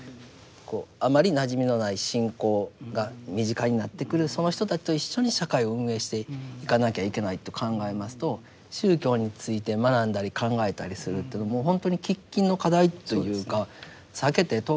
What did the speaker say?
あまりなじみのない信仰が身近になってくるその人たちと一緒に社会を運営していかなきゃいけないと考えますと宗教について学んだり考えたりするというのはもうほんとに喫緊の課題というか避けて通れない問題ですよね。